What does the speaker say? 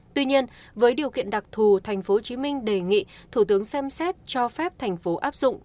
tuy nhiên với điều kiện đặc thù tp hcm đề nghị thủ tướng xem xét cho phép thành phố áp dụng